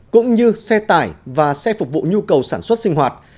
cũng như xe tải và xe phục vụ nhu cầu sản xuất sinh hoạt